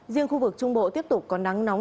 riêng khu vực trung bộ tiếp tục có nắng nóng